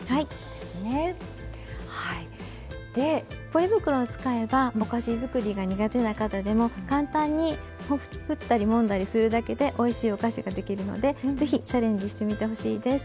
ポリ袋を使えばお菓子づくりが苦手な方でも簡単に振ったりもんだりするだけでおいしいお菓子ができるので是非チャレンジしてみてほしいです。